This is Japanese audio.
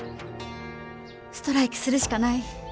ストライキするしかない。